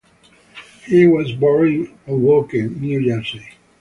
He was born in Hoboken, New Jersey.